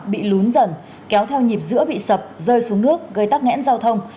bị lún dần kéo theo nhịp giữa bị sập rơi xuống nước gây tắc nghẽn giao thông